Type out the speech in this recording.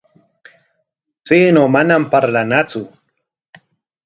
Chaynaw manam parlanatsu.